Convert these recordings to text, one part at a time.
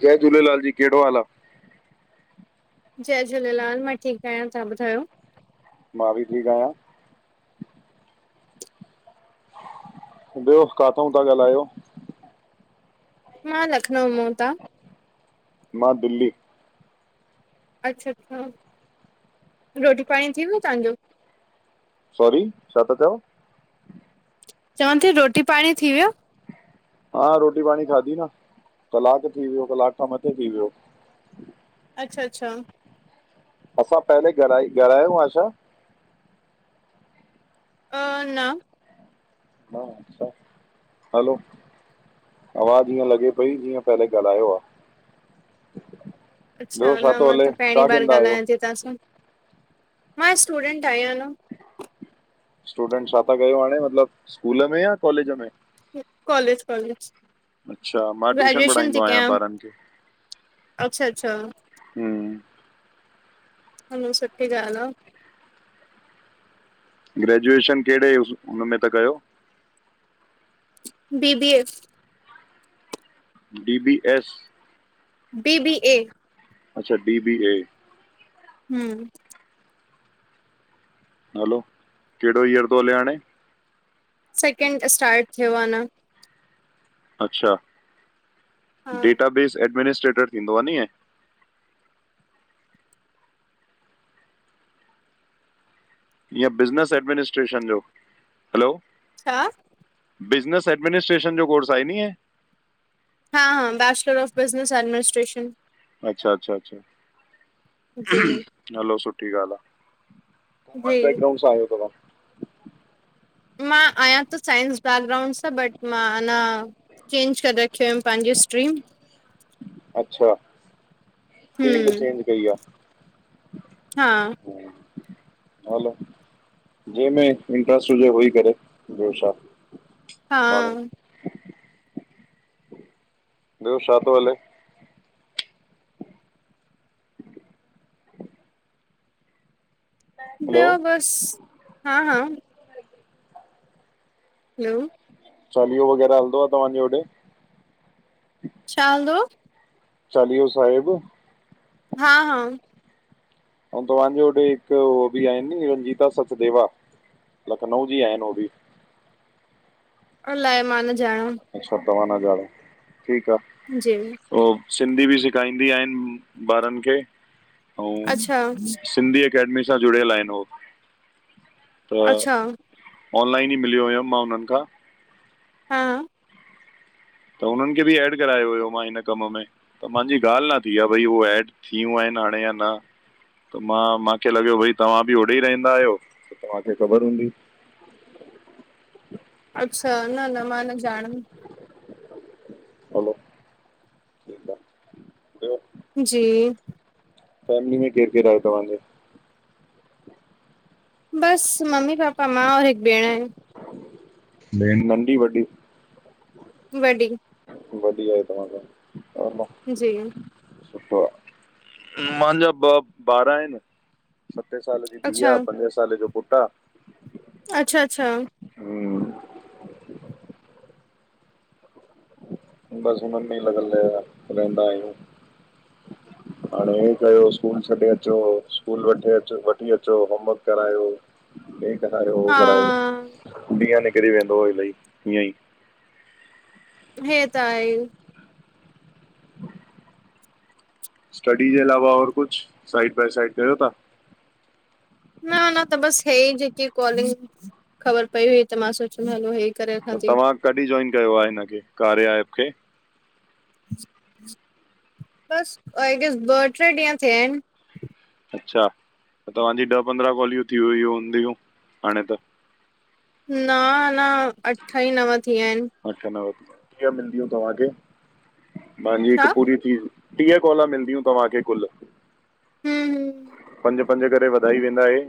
जय झूलेलाल जी, कहिड़ो हाल आ? जय झूलेलाल, मां ठीकु आहियां तव्हां ॿुधायो? मां बि ठीक आहियां। ॿियो, काथउ ता ॻालहायो? मां लखनऊ मां, तां? मां दिल्ली। अच्छा- अच्छा रोटी पाणी थी वियो तांजो? सॉरी, छा ता चओ? चवां ती रोटी पाणी थी वियो। हा, रोटी पाणी खाधी न कलाकु थी वियो कलाक खां मथे थी वियो। अच्छा -अच्छा। असां पहले ॻालाए ॻालायो आ छा? न- न। अच्छा, हलो आवाज ईअं लॻे पई जीअं पहले ॻाल्हायो आ। अच्छा न मां त पहिरीं बार ॻाल्हायां ती तां सां, मां स्टूडेंट आहियां न। स्टूडेंट छा ता कयो हाणे मतलबु, स्कूल में या कॉलेज में? College- college. अच्छा मां ट्यूशन ग्रेजुएशन थी पढ़ाईंदो आहियां कयां ॿारनि खे। अच्छा- अच्छा। हम्म हलो सुठी ॻाल आ। ग्रेजुएशन कहिड़े हुनमें ता कयो B B A. D B S? B B A. अच्छा, डी बी ए। हम्म हलो, केड़ो ईयर तो हले हाणे? सेकेंंड स्टार्ट थियो आ अना। अच्छा हा डेटा बेस एडमिनिस्ट्रेटर थींदो आ नी इएं? ईयं बिज़नस एडमिनिस्ट्रेशन जो? हलो, छा? बिज़नस एडमिनिस्ट्रेशन जो कोर्स आहे नीं ए? हा -हा, बैचलर ऑफ बिज़नस एडमिनिस्ट्रेशन। अच्छा -अच्छा -अच्छा, जी हलो सुठी ॻाल्हि आ। कोमर्स जी बेकग्राउड सां आहियो तथां [unintelligible] मां आहियां त साइंस बैकग्राउंड सां बट मां अना चेंज करे रखियोमि पंहिंजी स्ट्रीम, अच्छा, फील्ड हम्म चेंज कई आ। हा। हलो जेमें इंट्रस्ट हुजे उह ई करे, ॿियो छा? हा। माण्हू ॿियो छा तो हले? हलो ॿियो बसि हा- हा। हलो चालिहों वग़ैरह हलंदो आ तव्हांजे होॾे? छा हलदो आ? चालीओ साहिब हा हा अऊं तव्हांजो [unintelligible] हिक हो बि आहिन न रंजीता सचदेवा लखनऊ जी आहिन हो भी अलाए मां न ॼाणा अच्छा तवां न ॼाणो ठीक आ जी हो सिंधी बि सेखाईदी आहिन ॿारन खे अऊं अच्छा सिंधी अकेडमी सां जुड़ियल आहिन हो त अच्छा ऑनलाइन ई मिलियो हुयम मां हुनन खां हा त हुनन खे भी एड करायो हुयो मां हिन कम में त मुंहिंजी ॻाल न थी आ भई हू एड थियूं आहिन हाणे या न त मां मांखे लॻियो भई तव्हां बि ओॾे ई रहंदा आहियो त तव्हांखे ख़बर हूंदी अच्छा न न मां न जाण हलो [unintelligible] ॿियो जी फैमिली में केर केर आयो तव्हांजो बस मम्मी पापा मां और हिक भेण आहिन भेण नंढी वॾी? वॾी वॾी आहे तव्हां खां तव्हां जी खां मुंहिंजा ॿ ॿार आहिन सते साल जी धीउ अच्छा आ, पंजे साले जो पुटु आ अच्छा अच्छा बस हुनन में ई लॻल रहंदा आहियूं हाणे इअं कयो स्कूल छॾे अचो स्कूल वठी अचो वठी अचो होमवर्क करायो हे करायो हो हा करायो ॾीय निकरी वेंदो इअंही ईअंई हे त आहे स्टडी जे अलावा और कुछ साइड बाए साइड कयो था न न त बस हे ई जेकी कॉलिंग ख़बर पई हुई त मां सोचम हलो हे करे रखां त थी। तव्हां कॾी जॉइन कयो आ हिनखे कार्या एप खे बस ॿ टे ॾींहं थिया आहिन अच्छा तव्हांजी ॾह पंद्रहं कॉलियूं थी वईय हूंदयूं हाणे त न न अठ ई नव थीया आहिन अठ नव कीअं मिलंदिय तव्हांखे तव्हांजी हिक छा पूरी थी टीह कॉल मिलंदियूं तव्हांखे कुल हुं हुं पंज पंज करे वधाई वेंदा हे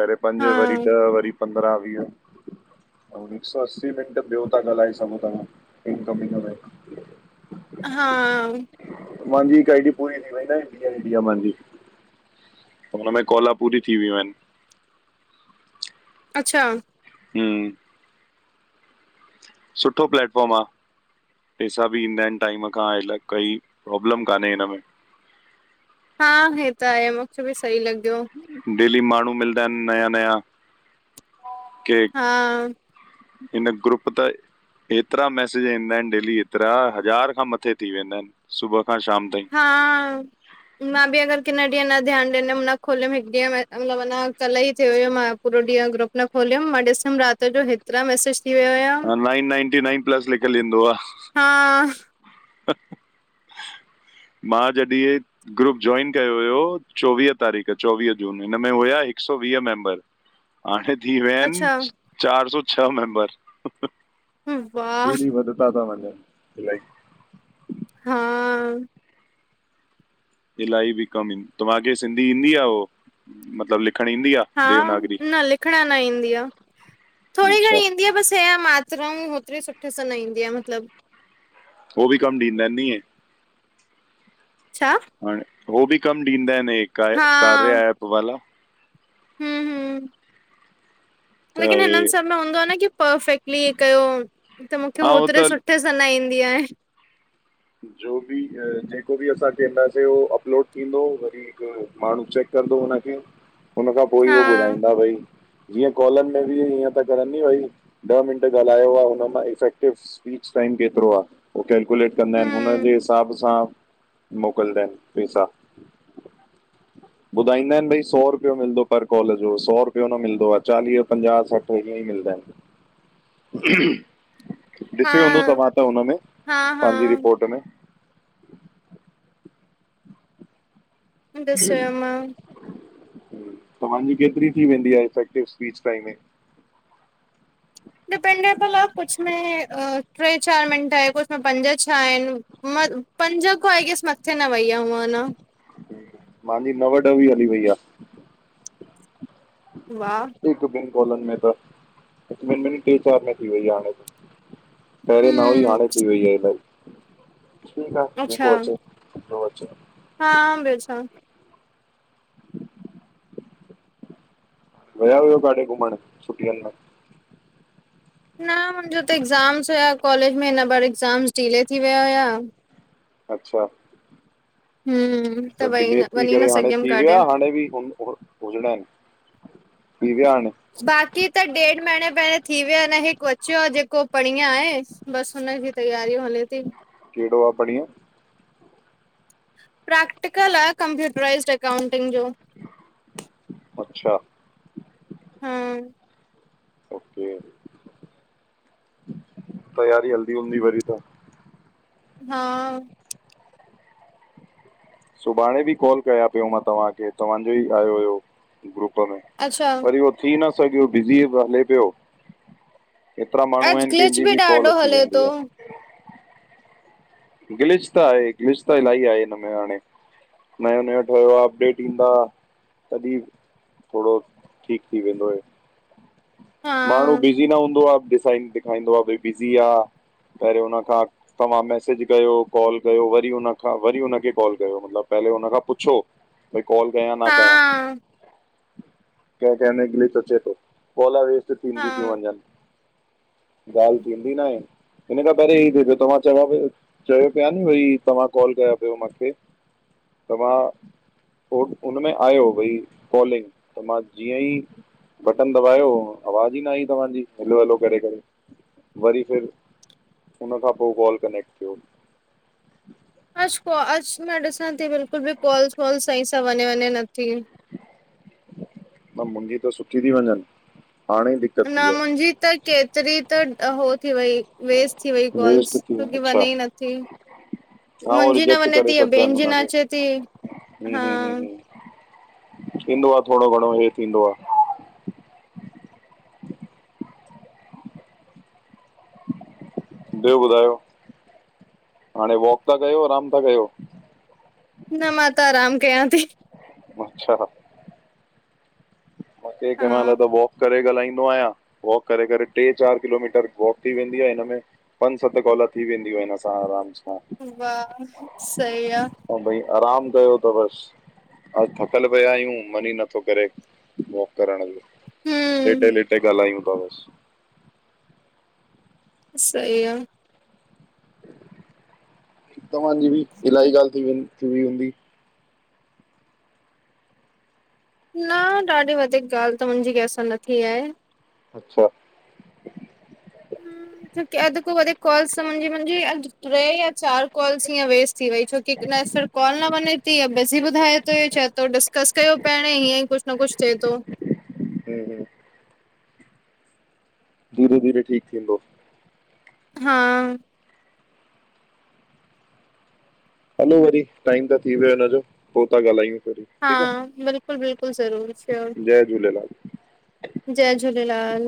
पहिरी पंज हा वरी ॾह वरी पंद्रहा वीह अऊ हिक सौ असी मिंट ॿियो तां ॻालाए सघो था इनकमिंग में हा मांजी हिक आइडी पूरी थी वई न इंडिया इंडिया मां जी त हुन में कॉल पूरी थी वयूं आहिन अच्छा हम। सुठो प्लेटफॉर्म आ। पेसा बि ईंदा आहिनि टाइम खां, अइ काई प्रोब्लम कान्हे हिन में। हा हे त आहे। मूंखे बि सही लॻियो। डेली माण्हू मिलंदा आहिनि नया- नया। के हा हिन ग्रुप ते हेतिरा मैसेज ईंदा आहिनि डेली हेतिरा, हज़ार खां मथे थी वेंदा आहिनि। सुबुह खां शाम ताईं। [inaudible] हा मां बि अगरि किन ॾींहं न ध्यान ॾींदमि, न खोलियमि हिक ॾींहं, मतिलबञा कल्ह ई थियो हो मां पूरो ॾींं ग्रुप न खोलियिम, मां ॾिसमि रात जो हेतिरा मैसेज थी वियो आहियां। हा, नाइन नाइंटी नाइन प्लस लिखयल ईंदो आ। हा। मां जॾहिं ग्रुप जॉइन कयो हुयो चोवीह तारीख़, चोवीह जून। हिन में हुया हिकु सौ वींह मेंबर हाणे थी विया अच्छा आहिनि, चार सौ छह मेंबर। वाह डेरी वधता ता वनिन, इलाही। हा। इलाही बि कम आहिनि। तव्हांखे सिंधी ईंदी आहे उहो? मतिलबु लिखण ईंदी आं? हा, न लिखण न ईंदी आह। थोरी अच्छा घणी ईंदी आह बसि हे‌, मात त्राहुं होतिरी सुठे सां न ईंदी आहे मतिलबु। हो बि कम ॾींदां आहिनि हिंयं? छा? हाणे, हो बि कम ॾींदा आहिनि क हा कारया ऐप वारा। हम- हम। त लेकिन हे हिननि सभ में हूंदो आहे न कि? पफेक्टली हे कयो, त मूंखे हा हो होओतिरे त सुठे सुठे सां न ईंदी आहे। जो बि जेको बि, असां चैंन्दासे अपलोड थींदो वरी हिकु माण्हू चेक कंदो हुनखे, हुन खां पोइ ई हा उह ॿुधाईंदा भई। जीअं, कोॉलिन में बि इअं त करनि भई ॾह मिंट ॻाल्हायो आह। हुन मां इफेक्टिव स्पीच टाइम केतिरो आह? कंदा आहिनि, हुन जे हम्म हिसाब सां। मोकिलदां आहिनि, पैसा। ॿुधाईंदा आहिनि, भई सौ रुपियो मिलंदो पर कॉल जो, सौ रुपियो न मिलंदो आह, चालीह- पंजाह -सठि ईअ ई मिलंदा आहिनि। हा ॾिसयो हूंदो तव्हां त हुनमें? हा हा पंहिंजी रिपोर्ट में? ॾिसयो मां। तव्हांजी केतिरी थी वेंदी आहे इफेक्टिव स्पीच टाइमिंग? डिपेंडेबल आहे, कुझु में टे- चारि मिंट आहे। कुछु में पंज-छह आहिनि। म पंजा को आई गैस, मथे न वैईया हुआ न। मांहिंजी नव- ॾह वी हली वई आ। वाह। हिकु-ॿिनि कॉलनि में त, हिकु- ॿिनि में न, टे- चारि में थी वई आं हाणे त। पहिरैं न हुई, हाणे हम्म थी वई आहे इलाही‌। ठीकु आहे अच्छा जेको अचे। जो अच्चे। हा, ॿियो छा? वया हुयव काॾे घुमण, छुटियुनि में? न मुंहिंजो त एक्ज़ाम्स हुया कॉलेज में, हिन बार एक्ज़ाम्स डिले थी विया हुया अच्छा। हम्म। त, वई डिले न थी वञी न करे हाणे सघियमि थी विया? काॾे हाणे बि हुजण आहिनि? थीं विया आहिन? बाक़ी त ॾेढु महीने पहिरियोें थी वियोया न हे क्वचो आहे जेको परींहं आहे बस हुन जी तयारी होली थी। कहिड़ो आहे परीहं प्रेक्टिकल आहे कंप्यूटराइज़ड अकाउंटिंग जो। अच्छा। हम्म। ओके तयारी हल्दी हल्ंददी वरी त हा। सुभाणे बि कॉल कयां पियो मां तव्हांखे तव्हांजो ई आयो हुयो ग्रुप में। अच्छा। वरी उहो थी न सघियो बिज़ी हले पियो एतिरा माण्हू अॼु आहिनि ग्लिच कंहिंजी बि कॉल ॾाढो अची हले वेंदी थो आ। गिलिश त आहे गिलिश त इलाही आहे हिन में हाणे। नयो नयो ठहियो आहे अपडेट ईंदा तॾहिं थोरो ठीक थी वेंदो आहे हा माण्हू बिज़ी न हूंदो आहे डज़ाइन ख बि आहे पहिर हुन खां तव्हां मसेज कयो कॉल कयो वरी हुनन खांां वरी हुननखे कॉल कयो मतिलबु पहिरले हुन खां पुछो भई कॉल कयया न हा कयया क क किल सोचे थो ला वेस्ट हा थींदी थीियूं वञनि। ॻाल्हि थींदी ना आहे हिन खां पहिरियों ई थिएयो त मां चवां पई चयो पिया नी भई तव्हां कॉल कयां पियो मूंखे त मां पोइ हुन मेंें आयो भई कॉलिंग त मां जीअं ई बटन दबायो आवाज ई न आई तव्हांजी, हलो हलो करे करे। वरी फिर हुन खां पोइ कॉल कनेक्ट थियो। अॼु कोॉ अॼु मां ॾिसां थी बिल्कुलु बि कॉल्स वॉल्स सही सां वञे वञे नथी। मुंी त सुठी थी वञनि हाणे ई दिक़त न थी मुंहिंजी त केतिरी त हो थी वई वेस्ट थी वई आहे कोॉल्स वेस्ट थी वञे छोकी अच्छा वने ई न थी। हा उहो मुंहिंजी न रिजेक्ट वञे करे थी या छॾंदा बेनि आहिनि जी न हुनखे अचे थी, हा। थींदो आ, थोरो घणो ह थींदो आ। ॿियो ॿुधायो हाणे वॉक था कयो आराम था कयो? न मां त आराम कयां थी। अच्छा। म क हा माल त ब करे ॻाल्हाईंदो आहियां वॉक करे करे टे चारि किलोमीटर वॉक थी वेंदी आहे हिन में पंज सत कॉला थी वेंदियूं हिन सां आरामु सां। वाह सई आ। ऐं भई आराम कयो त बसि, अ थकल पिया आहियूं मन ई नथो करे। वॉक करण जो लेटे हम्म लेटे ॻाल्हायूं था बस सही आ। तवांजी बि इलाही गाल् थी वई हूंदी? न ॾाढी वधीक ॻाल्हि त मुंहिंजी कंहिंसां न थी आहे अच्छा ह छोकी अध को वधिक कॉल्स मुंहिंज मुंहिंजी अ टे या चार कॉल्स हीय वेस्ट थी वयी छो की न सर काल न वने ती बिज़ी ॿुधाए थो इय चए थो डिस्कस कयो पहिरियों हीअं ई कुझु न कुझु थिए थो हम हम धीरे धीरे ठीकु थींदो हा हलो वरी टाइम त थी वियो हुनजो पो ता ॻाल्हायूं वरी हा, ठीकु बिल्कुलु बिल्कुलु ज़रूर श्योर आहे जय झूलेलाल जय झूलेलाल